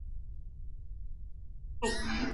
Five civilian workmen were killed.